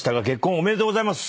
おめでとうございます。